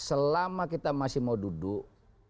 selama kita masih mau duduk